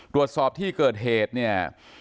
ตรวจสอบที่เกิดเหตุเนี่ย